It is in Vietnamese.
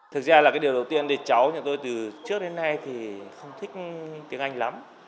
thực ra là cái điều đầu tiên thì cháu nhà tôi từ trước đến nay thì không thích tiếng anh lắm